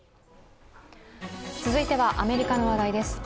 続いては、アメリカの話題です。